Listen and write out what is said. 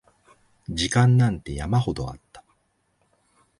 時間なんて山ほどあった